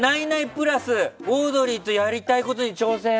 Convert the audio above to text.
「９９プラス」オードリーとやりたいことに挑戦